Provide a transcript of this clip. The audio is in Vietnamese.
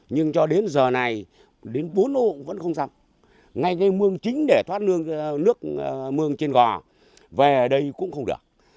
nhưng cho đến giờ này đến bốn hộ vẫn không xong ngay cái mương chính để thoát nước mương trên gò về đây cũng không được